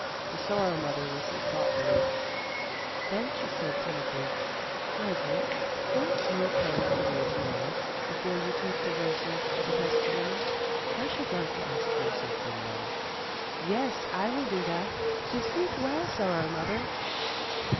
The Sorrow mother listened thoughtfully; then she said timidly: "Resli, won't you come to me to morrow, be fore you take the roses to the peasant woman? I should like to ask you something then." "Yes, I will do that, so sleep well, Sorrow mother!"